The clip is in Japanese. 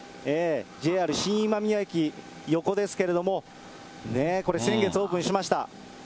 ＪＲ新今宮駅横ですけれども、これ、先月オープンしました。